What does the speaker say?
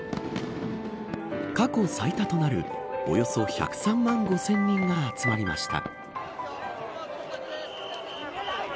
過去最多となるおよそ１０３万５０００人が集まりました。